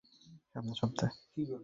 Simon আমাকে বিয়েতে এটা উপহার দিয়েছে!